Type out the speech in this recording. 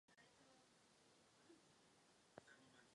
Zde je však účast umožněna jen vybraným účastníkům.